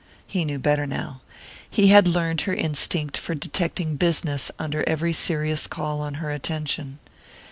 He knew better now he had learned her instinct for detecting "business" under every serious call on her attention.